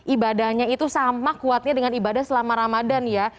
ibadahnya itu sama kuatnya dengan ibadah selama ramadan ya